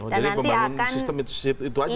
jadi pembangunan sistem itu aja